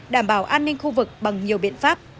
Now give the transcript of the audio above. đảm bảo an ninh khu vực bằng nhiều biện pháp